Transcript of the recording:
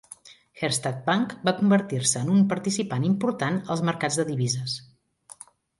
Herstatt Bank va convertir-se en un participant important als mercats de divises.